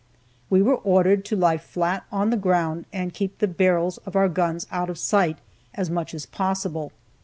We were ordered to lie flat on the ground, and keep the barrels of our guns out of sight, as much as possible.